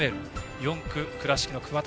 ４区、倉敷の桑田。